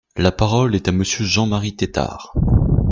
La parole est à Monsieur Jean-Marie Tétart.